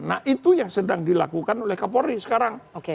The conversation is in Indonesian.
nah itu yang sedang dilakukan oleh kapolri sekarang